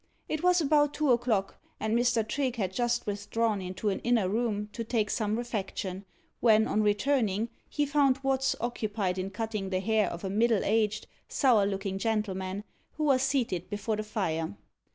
It was about two o'clock, and Mr. Trigge had just withdrawn into an inner room to take some refection, when, on returning, he found Watts occupied in cutting the hair of a middle aged, sour looking gentleman, who was seated before the fire.